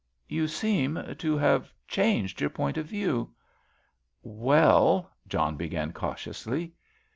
"You seem to have changed your point of view?" "Well——" John began, cautiously.